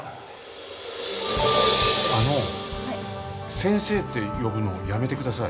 先生って呼ぶのやめてください。